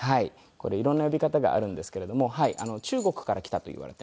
これ色んな呼び方があるんですけれども中国から来たといわれています。